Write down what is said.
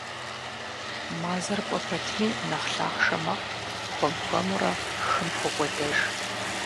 Мазэр кӀуэ пэтми нэхъ лъахъшэ мэхъу, хуэм-хуэмурэ хым хокӀуэдэж.